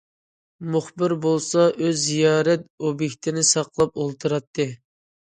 مۇخبىر بولسا ئۆز زىيارەت ئوبيېكتىنى ساقلاپ ئولتۇراتتى.